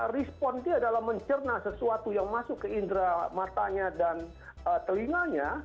respon dia adalah mencerna sesuatu yang masuk ke indera matanya dan telinganya